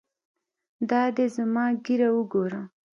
دا دى زما ږيره وګوره.